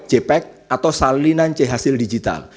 jpeg atau salinan c hasil digital